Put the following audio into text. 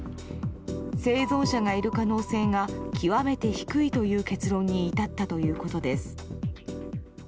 生存者がいる可能性が極めて低いという結論に至ったということです。